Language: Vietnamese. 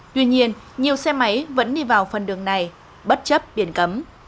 tuy nhiên nhiều xe máy vẫn đi vào phần đường này bất chấp biển cấm